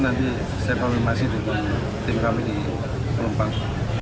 nanti saya konfirmasi tim kami di pertamina plumpang